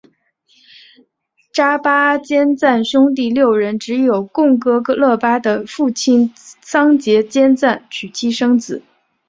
扎巴坚赞兄弟六人只有贡噶勒巴的父亲桑结坚赞娶妻生子。